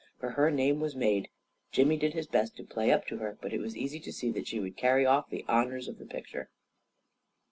For her name was made. Jimmy did his best to play up to her, but it was easy to see that she would carry off the honors of the picture.